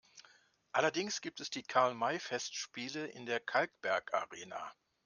Allerdings gibt es die Karl-May-Festspiele in der Kalkbergarena.